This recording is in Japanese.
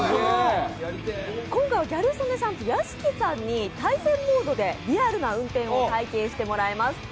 今回はギャル曽根さんと屋敷さんに対戦モードでリアルな運転を体験してもらいます。